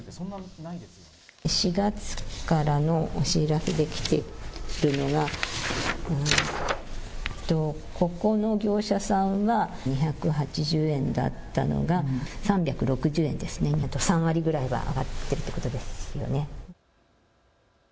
４月からのお知らせ、来ているのがここの業者さんは２８０円だったのが３６０円ですね、３割ぐらいは上がっているということですよね。